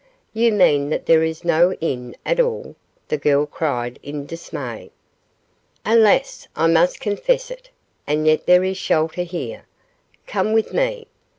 "You mean that there is no inn at all?" the girl cried in dismay. "Alas, I must confess it. And yet there is shelter here. Come with me.